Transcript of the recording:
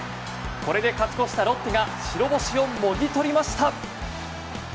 これで勝ち越したロッテが白星をもぎ取りました。